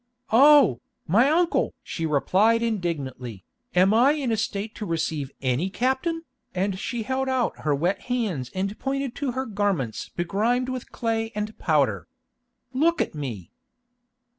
"Oh, my uncle!" she replied indignantly, "am I in a state to receive any captain?" and she held out her wet hands and pointed to her garments begrimed with clay and powder. "Look at me."